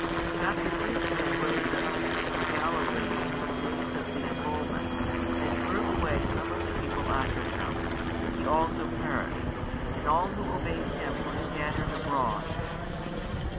After this man rose up Judas of Galilee in the days of the enrolment, and drew away some of the people after him: he also perished; and all who obeyed him were scattered abroad.